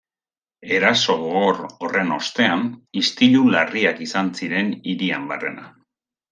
Eraso gogor horren ostean istilu larriak izan ziren hirian barrena.